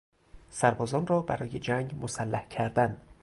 سربازان را برای جنگ مسلح کردن